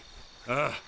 ああ。